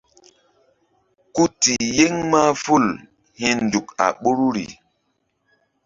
Ku ti yeŋ mahful hi̧nzuk a ɓoruri.